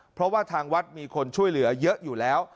เพราะว่าทางวัดมีคนช่วยเหลือเยอะอยู่แล้ว